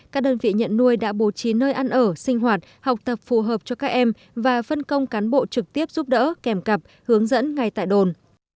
các đơn vị nhận nuôi đã bổ trí nơi ăn ở sinh hoạt học tập phù hợp cho các em và phân công cán bộ trực tiếp giúp đỡ kèm cặp hướng dẫn ngay tại đồn